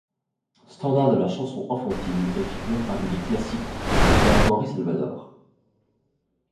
Standard de la chanson enfantine, elle figure parmi les classiques du répertoire d'Henri Salvador.